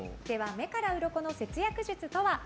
目からウロコの節約術とは？